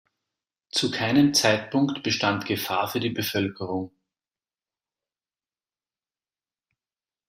Zu keinem Zeitpunkt bestand Gefahr für die Bevölkerung.